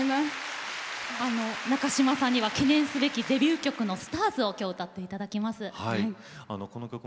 中島さんには記念すべきデビュー曲の「ＳＴＡＲＳ」を歌っていただきます。